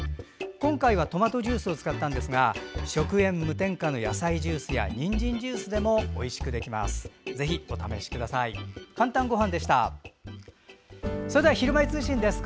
今回はトマトジュースを使ったんですが食塩無添加の野菜ジュースやにんじんジュースでもおいしくできます。